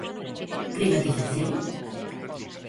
Privatización?